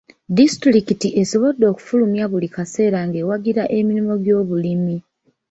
Disitulikiti esobodde okufulumya buli kaseera ng'ewagira emirimu gy'obulimi.